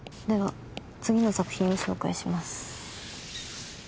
では次の作品を紹介します。